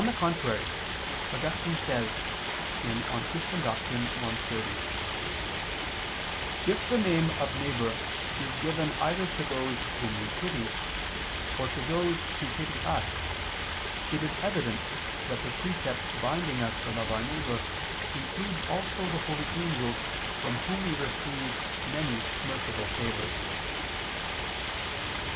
On the contrary, Augustine says (De Doctr. Christ. i, 30): "If the name of neighbor is given either to those whom we pity, or to those who pity us, it is evident that the precept binding us to love our neighbor includes also the holy angels from whom we receive many merciful favors."